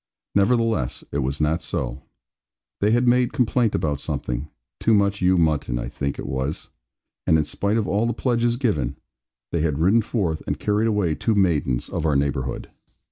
Nevertheless, it was not so; they had made complaint about something too much ewe mutton, I think it was and in spite of all the pledges given, they had ridden forth, and carried away two maidens of our neighbourhood.